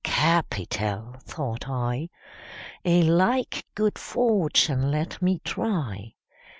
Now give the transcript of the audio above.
'Capital!' thought I. 'A like good fortune let me try.'